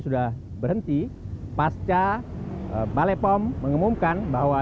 sudah berhenti pasca balai pom mengumumkan bahwa